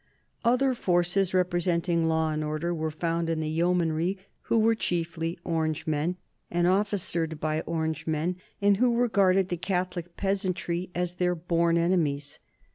Other forces representing law and order were found in the yeomanry, who were chiefly Orangemen and officered by Orangemen, and who regarded the Catholic peasantry as their born enemies.